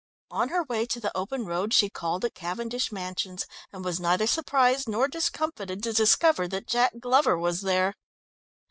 On her way to the open road she called at Cavendish Mansions, and was neither surprised nor discomfited to discover that Jack Glover was there.